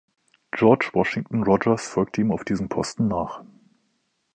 George Washington Rodgers folgte ihm auf diesem Posten nach.